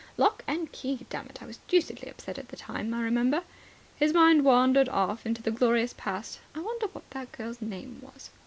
Lock and key, dammit. I was deucedly upset at the time, I remember." His mind wandered off into the glorious past. "I wonder what that girl's name was.